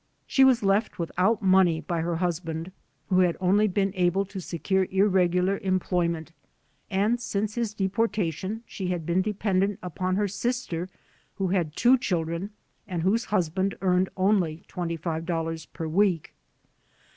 She was left without money by her husband, who had only been able to secure irregular employment and since his deportation she had been dependent upon her sister who had two children and whose husband earned only $25 per week.